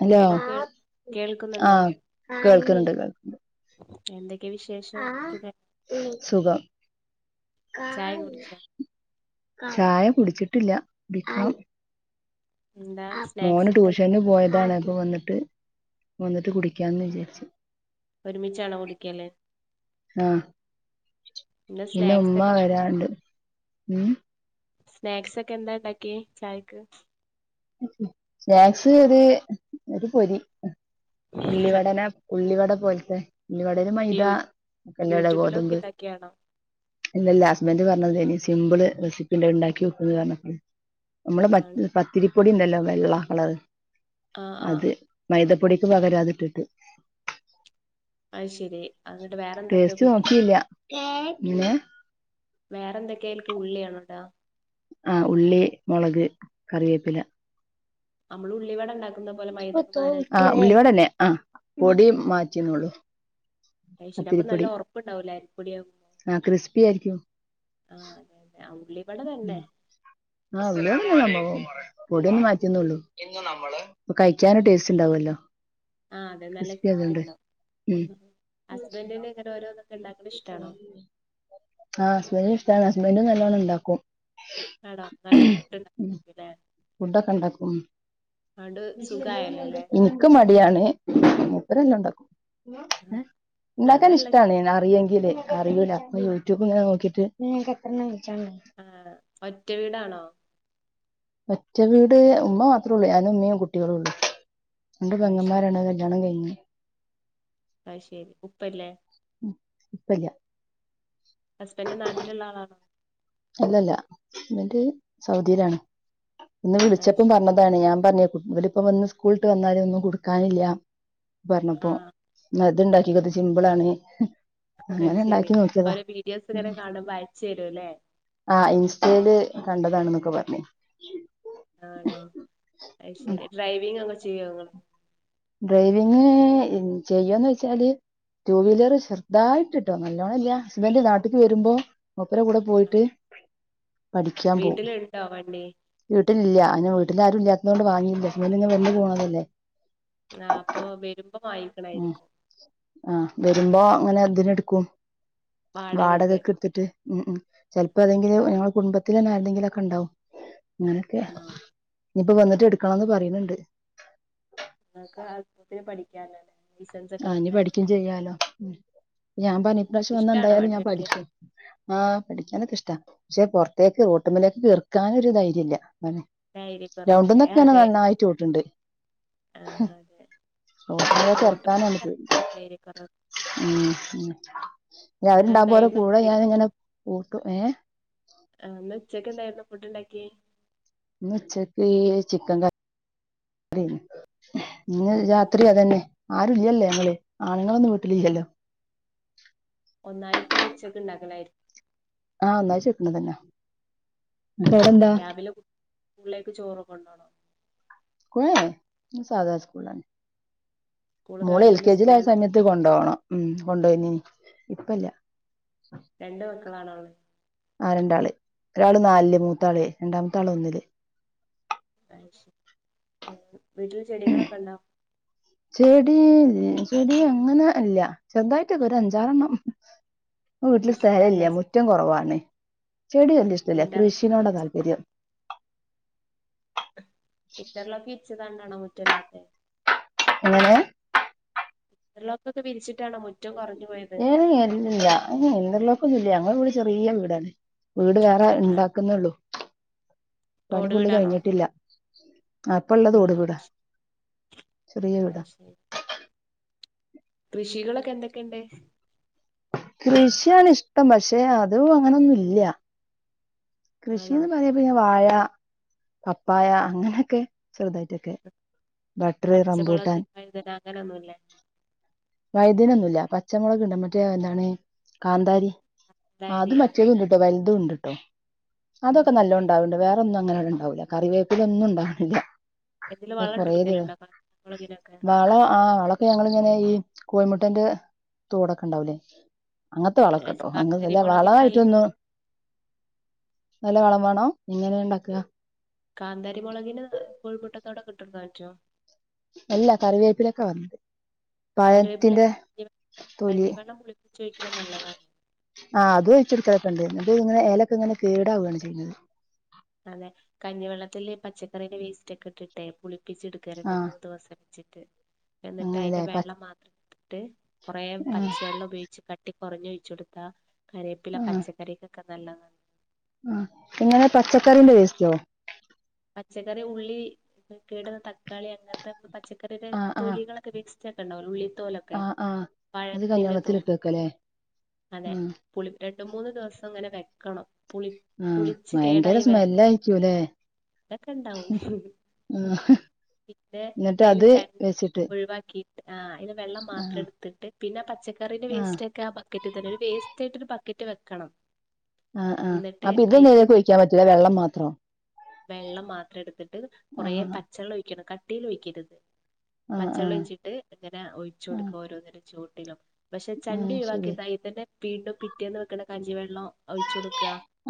Hello hello കേ കേൾക്കുന്നുണ്ടോ ആഹ് കേൾക്കുന്നുണ്ട് കേൾക്കുന്നുണ്ട് എന്തൊക്കെ വിശേഷം സുഖ സുഖം ചായ കുടിച്ചോ [inaudible] ചായ കുടിച്ചിട്ടില്ല കുടിക്കണം എന്താ സ്നാക്സ് മോന് ഒക്കെ ട്യൂഷന് പോയതാണ് ഇപ്പ വന്നിട്ട് വന്നിട്ട് കുടിക്കാന്ന് വിചാരിച് ഒരുമിച്ചാണോ കുടിക്കല് ആഹ് ഇന്ന് പിന്നെ സ്നാക്സ് ഉമ്മ ഒക്കെ വരാണ്ട് ഉം സ്നാക്സക്കെന്താ ഇണ്ടാക്കിയെ ചായക്ക് സ്നാക്സ് [unintelligible] ഒരു പൊരി ഉള്ളിവടന ഉള്ളിവട പോൽത്തെ ഉള്ളി വടേല് യൂ മൈദാ മുക്കല്ലേട [unintelligible] യൂട്യൂബിലൊക്കി ഗോതമ്പ് ഉണ്ടാക്കിയാണോ ഇല്ലല്ലാ ഹസ്ബന്റ് പറഞ്ഞത് ഇനി സിമ്പിള് റെസിപ്പി ഇണ്ട്‌ ഇണ്ടാക്കിയോക്ക്ന്ന് പറഞ്ഞപ്പള് നമ്മള ആണോ പത്തിരിപ്പൊടി ഇണ്ടല്ലോ വെള്ള കളർ ആഹ് ആഹ് അത് മൈദപ്പൊടിക്ക് പകരാതിട്ടിട്ട് അയിശെരി ടേസ്റ്റ് നോക്കില്ല്യ [unintelligible] വേറെന്തൊക്കെയിൽക്കുള്ളിയാണോടാ ആ ഉള്ളി, മൊളക്, കറിവേപ്പില അമ്മള് ഉള്ളിവടണ്ടാക്കു ആ ഉള്ളിവടെന്നെ ആ പൊടി മാറ്റിന്നൊള്ളു അയ്ശെരി അപ്പൊ പത്തിരിപ്പൊടി നല്ലൊർപ്പ് ണ്ടാവൂല്ലെ പൊടിയാവു ആഹ് ക്രിസ്പി ആയിരിക്കും ആ ആ ഉള്ളിവട തെന്നെ ആ ഉള്ളിവടെന്നെ സംഭവം പൊടിയൊന്നു മാറ്റിന്നൊള്ളൂ പ്പൊ കഴിക്കാനും ടേസ്റ്റ്ണ്ടാവല്ലോ ആ അതെ നല്ല ക്രിസ്പിണ്ടാവും ഉം പിന്നെ ഹസ്ബന്റിന് ഇങ്ങനോരോന്ന് ആ ഹസ്ബന്റിനിഷ്ട്ടാണ് ഹസ്ബെന്റും നല്ലോണണ്ടാക്കും ആണോ നല്ല ഫുഡ്‌ ണ്ടാക്കു ലെ ഫുഡൊക്കെ ണ്ടാക്കും അതോണ്ട് സുഖായല്ലോ ല്ലേ ഉം ഇക്ക് മടിയാണ് മൂപ്പര് എല്ലാണ്ടാക്കും ഇണ്ടാക്കാൻ അതല്ല ഇഷ്ട്ടാണ് അറിയെങ്കില് അറിയൂല അപ്പ യൂട്യൂബ്ങ്ങനെ നോക്കിട്ട് ആ ഒറ്റ വീടാണോ ഒറ്റ വീട് ഉമ്മ മാത്രോള്ളൂ ഞാനും മ്മേം കുട്ട്യാളൂള്ളൂ രണ്ട് അയ് ശരി പെങ്ങമ്മാരാണ് അത് കല്യാണം കയ്ഞ്ഞ് അത് ശെരി ഉപ്പല്ലേ ഉപ്പല്ല ഹസ്ബന്റ് നാട്ടില്ള്ളാളാണോ അല്ലല്ല ഹസ്ബന്റ് സൗദീലാണ് ഇന്ന് അയ് വിളിച്ചപ്പം ശരി പർഞ പ്പാണ് ഞാൻ പർഞ് കു ഇവര്പ്പൊ വന്ന് സ്കൂൾട്ട് വന്നാലൊന്നും കൊട്ക്കാനില്ല പർഞ്ഞപ്പോ ആഹ് ന്ന ത്ണ്ടാക്കിക്കോ ഇത് സിംമ്പിളാണ് അത് ശെരി ഓരോ വീഡിയോസ്ങ്ങനെ കാണുമ്പോ അയച്ചെരുല്ലേ ആ ഇൻസ്റ്റേല് കണ്ടതാണ്ന്നൊക്കെ പർഞ് ആണോ അയ് ശെരി ഡ്രൈവിങ്ങൊക്കെ ചെയ്യോ ഡ്രൈവിങ് ചെയ്യോന്നോയ്ച്ചാല് ട്ടൂ വീലറ് ശെർതായിട്ട്ട്ടോ നല്ലോണല്ല ഹസ്ബന്റ് നാട്ട്ക്ക് വെരുമ്പോ മൂപ്പരെ കൂടെ പോയിട്ട് പഠിക്കാൻ പോവും വീട്ടിലുണ്ടോ വണ്ടി വീട്ട്ലില്ല അയ്ന് വീട്ടിലാരുല്ലാത്തോണ്ട് വാങ്ങില്ല ഹസ്ബന്റ് ങ്ങ വെന്ന് പോണതല്ലേ ആ അപ്പൊ വെരുമ്പൊ വാങ്ങി ഉം ആ വെരുമ്പോ ങ്ങനെ ന്തിനെട്ക്കും വാടകക്ക് വാടകക്ക്ട്ത്തിട്ട് ഉം ഉം ചെൽപ്പോ ഏതെങ്കിലും ഞങ്ങളെ കുടുംബത്തിലെന്നെ ആരെതെങ്കിലൊക്കെണ്ടാവും അങ്ങനൊക്കെ ആണോ ഇനിപ്പോ വന്ന്ട്ട് ഇട്ക്കണംന്ന് പറയ്ണ്‌ണ്ട് ക്ക് ആവശ്യത്തിന് പഠിക്കാലൊ ആ ഇനി ലിസൻസൊക്കെടുത്താല് പഠിക്കും ചെയ്യാലോ ഞാൻ പർഞ്ഞ് ഇപ്രാശ്യം വന്ന ഇഷ്ടാണോ എന്തായാലും വണ്ടി ഓടിക്കാൻ ഞാൻപഠിക്കും ആ പഠിക്കാനൊക്കെ ഇഷ്ട്ടാ പക്ഷെ പൊർത്തേക്ക് റോട്ട്മ്മലേക്ക് എർക്കാനൊരു ധൈര്യല്ല [unintelligible] ധൈര്യക്കുറവല്ലേ ഗ്രൗണ്ട്ന്നൊക്കെങ്ങനെ അതെ നന്നായിട്ട് ഓട്ട്ണ്ട് ആഹ് അതെ റോട്ട്മ്മലേക്ക് എർ [inaudible] ഉം ന്നെ അവരുണ്ടാവുമ്പോ എന്തായിരുന്നു ഓരെകൂടെ ഉച്ചക്ക് ഞാനിങ്ങനെ ഓട്ടും ഏ ആ ഇന്നുച്ചക്കെന്തായിരുന്നു ഫുഡ്ണ്ടാക്കി ഇന്നുച്ചക്ക് ചിക്കൻ കറി [unintelligible] ഇന്ന് ആണോ രാത്രി അതെന്നെ ആരുല്ലല്ലോ ഞങ്ങള് ആണ്ങ്ങളൊന്നും വീട്ട്ലില്ലല്ലോ ഒന്നായിട്ട് ഉച്ചക്ക്ണ്ടാക്കലായി ആ ഒന്നായ്റ്റ് വെക്ക്ണതെന്നെ [unintelligible] രാവിലെ കു കൂൾലേക്ക് ചോറ്കൊണ്ടോണോ സ് സാധാ സ്കൂളന്നെ സ്കൂള് മോള് എൽ ഗവൺമെന്റ് കെ ജി സ്കൂളാണ് ലായസമയത്ത് ഇത് കൊണ്ടോവണം ഉം കൊണ്ടയ്നി ഇപ്പല്ല രണ്ട് മക്കളാണൊള്ളത് ആ രണ്ടാള് ഒരാള് നാലില് മൂത്താള് രണ്ടാമത്തെ ആള് ഒന്നില് അഹ് ശരി വീട്ടില് ചെടികളൊക്കെണ്ടൊ ചെടീ ചെടി അങ്ങനെ ഇല്ല ചെറ്തായിട്ടൊള്ളു ഒരു അഞ്ചാറെണ്ണം വീട്ടില് ഇഷ്ടല്ല സ്ഥലല്ല മുറ്റം ചെടികൾ കൊറവാണ് ചെടി വല്യ ഇഷ്ടല്ല ഇന്റർലോക്ക് കൃഷിനോട വിരിച്ചതാണ് താല്പര്യം. ഇറ്റർലോക്ക് ഇര്ച്ച്കാണ്ടണോ മുറ്റല്ലാത്ത എങ്ങനെ ഇന്റർലോകൊക്കെ വിരിച്ചിട്ടാണോ മുറ്റം കുറഞ്ഞുപോയത്. ഏയ് അല്ലല്ല ഇന്റർലോക്കൊന്നുല്ല ഞങ്ങള് വ്ടെ ചെറിയവീടാണ്. വീട് വേറെ ആ, ഇണ്ടാക്കുന്നുള്ളു ഓട് പണിഫുള്ള് വീടാണോ കഴിഞ്ഞിട്ടില്ല ആ ഇപ്പള്ളത് ഓട് ആഹ് വീടാ ചെറിയവീടാ അത് ശരി കൃഷികളൊക്കെ എന്തൊക്കെണ്ട് കൃഷിയാണിഷ്ടം പക്ഷെ അതും അങ്ങനൊന്നുല്ല ആണോ കൃഷിന്ന് പറയപ്പോ വാഴ പപ്പായ അങ്ങനെയൊക്കെ ചെറുതായിട്ടൊക്കെ ബട്ടർ പച്ചമുളക് റംബൂട്ടാൻ വൈതന അങ്ങനൊന്നുല്ലേ വൈതന ഒന്ന്ല്ല പച്ചമുളക്ണ്ട് മറ്റേ എന്താണ് കാന്താരി ഡയരി അത് ആ മറ്റേത്ണ്ട്ട്ടോ വൽതുണ്ട്ട്ടോ അതൊക്കെ നല്ലോ ഉണ്ടാവ്ണ്ട് വേറൊന്നും അങ്ങന ഉണ്ടാവുല കറിവേപ്പിലൊന്നുണ്ടാവ്ണില്ല എന്തെലും വള കൊറേ ദിവ വള ആ വളം ഇപ്പ ഞങ്ങളിങ്ങനെ ഈ കോയ്മുട്ടന്റെ തോടൊക്കെണ്ടാവുലേ അങ്ങത്തെ വളക്കട്ടോ കാന്താരി അങ്ങനല്ല മുളകിന് നല്ല വളമായിട്ടൊന്നു നല്ല വളം വേണം എങ്ങനെണ്ടാക്ക കാന്താരിമുളകിന് കോഴിമുട്ടത്തോടൊക്കെ ഇട്ടൊട്ക്കാൻറ്റോ. അല്ല കറിവേപ്പിലക്കെ പർഞത്. കരിവേപ്പിലക്ക് കഞ്ഞിവെള്ളം പുളിപ്പിച്ചൊയ്ക്ക്ണത് നല്ലതാണ്. ആഹ് അത് ഒഴിച്ചെടുക്കലക്കെണ്ട് അത് ഇങ്ങനെ ഇലക്കെ ഇങ്ങനെ കേടാവാണ് കഞ്ഞി- ചെയ്യുന്നത്. അതെ കഞ്ഞിവെള്ളത്തിൽ പച്ചക്കറിന്റെ വേസ്റ്റ്ക്കെ ഇട്ട്ട്ടേ പുളിപ്പിച്ച് ഇട്ക്കാ ആ രണ്ട്മൂന്ന് ദിവസം ച്ചിട്ട് എന്നിട്ട് അയിന്റെ അങ്ങനെല്ലേ പ വെള്ളമാത്രം ട്ത്ട്ട് കൊറേ ആ പച്ചവെള്ളം ഉപയോയ്ച്ച് ക ട്ടി കുറഞൊഴിച്ചൊട്ത്താ കരേപ്പില ആ പച്ചക്കറിക്കൊക്കെ നല്ലതാ ആ എങ്ങനെ പച്ചക്കറീന്റെ വേസ്റ്റോ പച്ചക്കറി ഉള്ളി കേടന്നതക്കാളി അങ്ങത്തെ പച്ചക്കറിയുടെ ആ ആ തൊലികളൊക്കെ വേ വെച്ചട്ട് ഉണ്ടവുമല്ലോ ഉള്ളിതോലൊകെ ആ ആ അത് പഴത്തിൻ്റെ കഞ്ഞിവെള്ളത്തിലിട്ട് തോട് വെക്കല്ലേ അതേ ആ പുളി രണ്ട് മൂന്ന് ദിവസങ്ങനെ വെക്കണം പുളി മ്മ് പുളിച്ച് ഭയങ്കര സ്മെല്ലയിരിക്കൂല്ലെ അതൊക്കെണ്ടാവും മ്മ് പിന്നെ അയില് ചണ്ടി ഒഴിവാക്കി ആഹ് അയിന്ന് വെള്ളം ആ മാത്രെട്ത്തിട്ട് പിന്നാ പച്ചക്കറിന്റെ വേസ്റ്റൊക്കെ ആ ബ പിന്നെ ഒരു വേസ്റ്റായിട്ട് ഒരു ബക്കറ്റ് വെക്കണം ആഹ് ആഹ് എന്നിട്ട് അപ്പൊ ഇതൊന്നും അയിക്ക് ആയിലേ കോഴിക്കാൻ പറ്റൂല വെള്ളം മാത്രം വെള്ളം മാത്രെട്ത്തിട്ട് ആ കോറേ പച്ചെള്ളൊഴിക്കണം കട്ടീലൊയിക്കര്ത് ആ ആ പച്ചെള്ളൊയിച്ചിട്ട് ഇങ്ങനെ ആ ഒഴിച്ചൊട്ക്ക്ക ഓരോന്നിൻ്റേ ചോട്ടിലും പക്ഷെ ആ ചണ്ടി ശരി ഒഴിവാക്കീട്ട് അയീതന്നെ വീണ്ടും പിറ്റേന്ന് വെക്ക്ണ കഞി വെള്ളം ഒഴിച്ചൊട്ക്ക്ക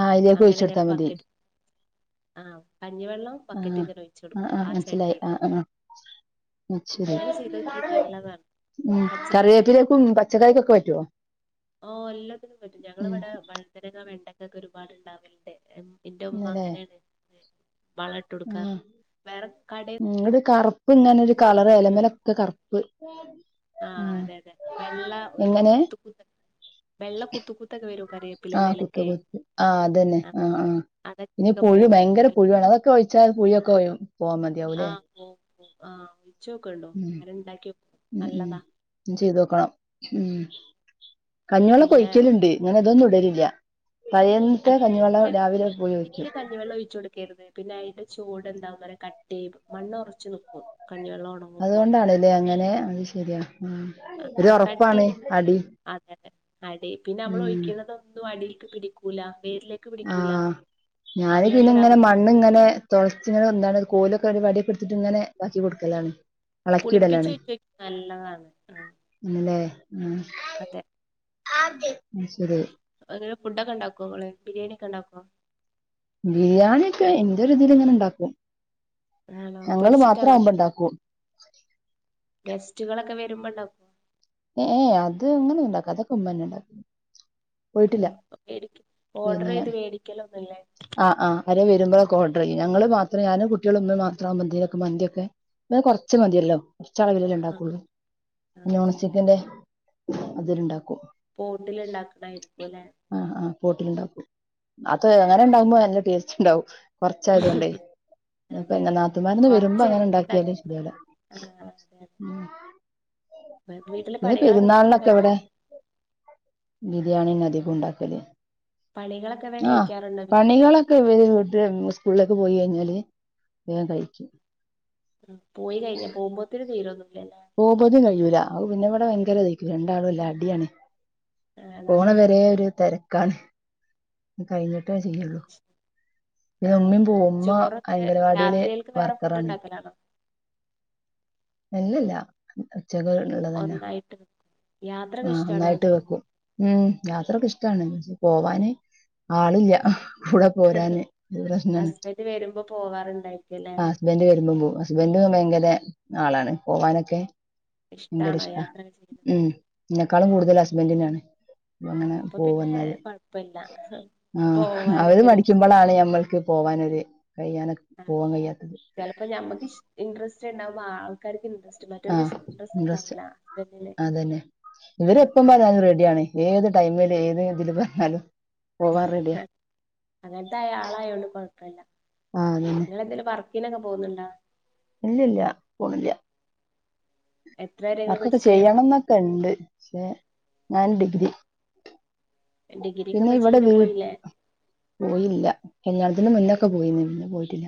ആഹ് അയിലേക്കൊഴിച്ചൊട്ത്താ മതി ആഹ് കഞ്ഞിവെള്ളം ആ ബക്കറ്റ്കാട്ട് ഒഴിച്ചൊട്ക്ക്ക ആ ചണ്ടീൽക്ക് ആ അങ്ങനെ ചെയ്തോക്കി ശരി നല്ലതാണ് ഉം പച്ചക്കറിക്ക് കറിവേപ്പിലേക്കും പച്ചക്കറിക്കൊക്കെ പറ്റോ ഓ എല്ലാത്തിനും പറ്റും ഞങ്ങളിവിടെ വഴുതനങ്ങ വെണ്ടക്കൊക്കെ ഒരുപാട് ഉണ്ടാവല്ണ്ട് ഇന്റുമ്മ ഇന്നലെ അങ്ങനേണ് വളട്ട് ഇട്ടൊട്കാറ് വേറെക്കടേ ഉം ഒര് കറ്പ്പ് ഇങ്ങനൊര് കളറ് ഏലമെലൊക്കെ കറ്പ്പ് ആഹ് അതെ അതെ വെള്ള ഒരു [unintelligible] വെള്ള കുത്തുകുത്തൊക്കെ വരും കറിവേപ്പിലേന്റെ ആഹ് കുത്ത് എലക്കെ കുത്ത് ആഹ് അതെന്നെ ആ ആഹ് ആഹ് പിന്നെ അതൊക്കെ പുഴു പോകും ഭയങ്കര പുഴുവാണ് അതൊക്കെ ഒഴിച്ചാൽ പുഴിയൊക്കെ പോകാൻ മതി ആഹ് പോവും പോവും ആഹ് ഒഴിച്ചോക്കണ്ടു അങ്ങനെ ഉണ്ടാക്കി നോക്കു ഉം നല്ലതാ ഉം ചെയ്തോക്കണം ഉം പിന്നെ കഞ്ഞിവെള്ളൊകൊയിക്കല്ണ്ട് ഇങ്ങനെ ഇതൊന്നും ഇടലില്ല പഴേന്നതെ കഞ്ഞിവെള്ളം രാവിലെ പോയി ഒയ്ക്കും കഞ്ഞിവെള്ളൊഴിച്ചൊടുക്കെര്ത് പിന്നെ അയിന്റെ ചോട് എന്താ പറയാ കട്ടീ മണ്ണൊറച്ച് നിക്കും കഞ്ഞിവെള്ളൊണ അതുകൊണ്ടാണ്ലേ അങ്ങനെ അത് ശരിയാ ഒരു അങ്ങനെ ഒറപ്പാണ് കട്ടില്ലേ അടി അതെതെ അടി പിന്നെ അമ്മൾ ഉം ഒഴിക്കണതൊ ഒന്നും അടീക്ക് പിടിക്കൂല വേരില് ആഹ് ഞാന് അവ പിന്നെങ്ങനെ മണ് മണ്ണ് ഇങ്ങനെ തൊള്ച്ച്ങ്ങനെ വന്നാണ്ട് കോലൊക്കെ ഒരു വടിയൊകെട്ത്തിട്ട് ഇങ്ങനെ താക്കി കൊടുക്കലാണ് ഇളക്കിയിടലാണ് പുളിപ്പിച്ചൊയിചൊട്ക്ണെ നല്ലതാണ് ആഹ് ആണ്ല്ലേ ഉം അതെ അത് ശരി എങ്ങനെ ഫുഡൊകെ ഉണ്ടാകോങ്ങള് ബിര്യേണിയൊകെണ്ടാകോ ബിരിയാണി ഒക്കെ ഇന്റൊര്തീല് ഇങ്ങനെ ഇണ്ടാക്കും ആണോ ഞങ്ങള് പൊരിച്ചിട്ടാണോ മാത്രാവുമ്പ ഇണ്ടാക്കും ഗസ്റ്റുകളൊക്കെ വെരുമ്പോണ്ടാക് ഏഹ് ഏഹ് അത് അങ്ങനൊന്നു ഉണ്ടാക്കൂല അതൊകെ ഉമ്മെന്നെ ഉണ്ടാക്കല് ഓഡ്രെയ്ത് വേടിക്കലൊന്നുല്ലേ ആഹ് ആഹ് ആരോ വെരുമ്പളൊക്കെ ഓഡ്രെയ്യും ഞങ്ങള് മാത്രം ഞാനും കുട്ടികളുംമ്മീം മാത്രാവുമ്പ എന്തേലൊകെ മന്തിയൊക്കെ ഞങ്ങഹ് കൊർച്ച് മതിയല്ലോ കൊർച്ചളവിലല്ലേ ആഹ് ഇണ്ടാക്കൊള്ളൂ ആഹ് നോൺ അതെ അതെ സ്റ്റിക്കിന്റെ അതില്ണ്ടാക്കും പോട്ട്ല് ഈണ്ടാക്ക്ണായിരിക്കുലേ ആഹ് ആഹ് പോട്ടില്ണ്ടാക്കും അത് അങ്ങനെ ഇണ്ടകുമ്പോ നല്ല ടേസ്റ്റ്ണ്ടാവും കൊർച്ചായതുകൊണ്ടേ പിന്നെ അതെ പെങ്ങ അതെ നാത്തൂമാരൊന്നും വെരുമ്പ കൊറച്ച് എന്ത്ണ്ട അങ്ങനെണ്ടാകിയാല് ശെരിയാവൂല ആഹ് അതെ അതെ വീട്ടിലെ ഇനി പണികളൊക്കെ നേരത്തെ പെരുന്നാളിനൊക്കെ കഴിക്കും ഇവടെ ബിരിയാണിയെന്നെ അതികുണ്ടാക്കല് പണികളൊക്കെ വേൻ കഴിക്കാറുണ്ടോ വീട്ടിലെ പണികളൊക്കെ ഇവര് സ്കൂളിലേക്ക് പോയി കഴിഞ്ഞാല് വേഗം കഴിക്കും അഹ് പോയി കഴിഞ്ഞ പോകുമ്പോത്തിന് തീരൊന്നില്ലല്ലേ പോവുപതിന്കഴിയൂല അഹ് പിന്നെ ഇവിടെ ഭയങ്കര തക്കും രണ്ടാളുല്ല അടിയാണ് ആണോ പോണ വരെ ഒരു തിരക്കാണ് കഴിഞ്ഞിട്ടേ ചെയ്യുള്ളൂ പിന്നെ ആഹ് ഉമ്മയും പോവും ഉമ്മ ചോറൊക്കെ അംഗനവാടിയില് രാത്രികൾക്ക് വേറെ ഫുഡ് വർക്കറാണ് ഉണ്ടാക്കലാണോ ഇല്ലല്ല ഉച്ചകൾ ഒന്നായിട്ട് യാത്ര കെ ആഹ് ഇഷ്‌ടാണോ ഒന്നായിട്ട് വെക്കും ഉം യാത്രയക്കെ ഇഷ്ടാണ് പോവാന് ആളില്ല കൂടെ പോരാന് പ്രശനാണ് ഹസ്ബൻഡ് വരുമ്പോ പോവാറുണ്ടായിരിക്കുംല്ലേ ആഹ് ഹസ്ബൻഡ് വരുമ്പോ ഹസ്ബൻഡ് ഭയങ്കര ആളാണ് പോവാനൊക്കെ ഭയങ്കര ഇഷ്ടാണോ ഇഷ്ട യാത്രക്കെ ചെയ്യുന്നത് ഉം എന്നെക്കാളും കൂടുതൽ ഹസ്ബൻഡിനാണ് അപ്പഅങ്ങനെ ആഹ് അപ്പൊ പിന്നെ പോവുന്നത് കൊഴപ്പല്ല ആഹ് അവര് പോവാനൊക്കെ മടിക്കുമ്പോളാണ് ഞമ്മൾക്ക് പോവാനൊരു കഴിയാന ആഹ് ചിലപ്പോ നമ്മക്ക് ഇൻറ്രസ്റ്റ് ഉണ്ടാവുമ്പോ ആൾക്കാർക്ക് ഇൻട്രസ്റ്റ് മറ്റവർക്ക് ആഹ് ഇൻട്രസ്റ്റ് ഉണ്ടാവൂല ഹസ്ബൻഡിന് അതന്നെ ഇവരെ എപ്പ പറഞ്ഞാലും റെഡിയാണ് ഏത് ടൈമില് ഏത് ഇതിൽ പറഞ്ഞാലും പോവാൻ റെഡിയാ ഹേ അങ്ങനത്തെ ആളായോണ്ട് കൊഴപ്പല്ല ആ അതന്നെ നിങ്ങൾ എന്തേലും പറ [unintelligible] പോകുന്നു ണ്ടോ ഇല്ല ഇല്ല പോണില്ല എത്ര വരെ ഇങ്ങള് വർക്കൊക്കെ പഠിച്ചേ ചെയ്യണംന്നൊക്കെ ഉണ്ട് പക്ഷേ ഞാൻ ഡിഗ്രി ഡിഗ്രി ഒക്കെ പിന്നെ പഠിച്ച് ഇവിടെ വീ പോയില്ലേ പോയില്ല കല്യാണത്തിന്റെ മുന്നൊക്കെ പോയിന്ന് പിന്നെ പോയിട്ടില്ല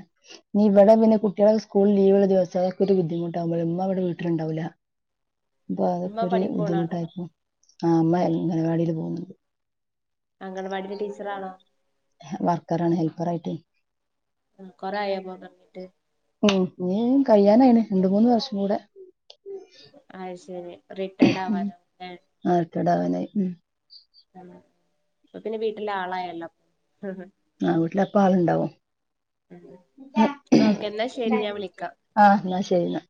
നിവിടെ ങ്ങനെ പിന്ന കുട്ടികളക്കെ സ്കൂൾലീവ്ള്ള ദിവസൊക്ക ഒരു ബുദ്ധിമുട്ടാകുമ്പോമ്മവിടെ വീട്ടിലുണ്ടാവുലാ [inaudible] ഉമ്മ അപ്ഒരു പണിക്കോണാണോ ബുദ്ധിമുട്ടായി രുന്നു ആ മ്മ അംഗനവാടിൽ പോകുന്നുണ്ട് അംഗണവാടി ലെ ടീച്ചറാണോ വർക്കറാണ് ഹെൽപ്പറായി ട്ട് ആ കൊറെ ആയോ പോകാ തൊടങ്ങിട്ട് ഉം നീ കഴിയാനായിന് രണ്ട മൂന്ന് വർഷം കൂടെ അത് ശരി റിട്ടയർഡ് ആവാനുന്നെ ആ റിട്ടയർഡ് ആവാനായി ഉം ആ അപ്പ പിന്നെ വീട്ടിലെ ആളായല്ലോ ഉം ആ വീട്ടിലപ്പ ആളുണ്ടാവും ഓക്കെന്നാ ശരി ഞാൻ വിളിക്കാം ആഹ് ന്നാ ശരിന്നാ